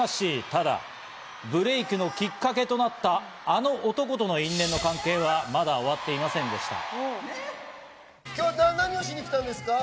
ただブレイクのきっかけとなったあの男との因縁の関係はまだ終わっていませんでした。